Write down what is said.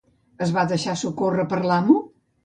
Es va deixar socórrer per l'amo?